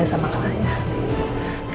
jangan impacto anak ank pada barca